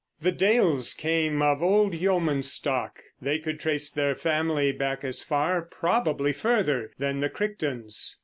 The Dales came of old yeoman stock; they could trace their family back as far, probably further, than the Crichtons.